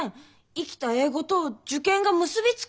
生きた英語と受験が結び付くような。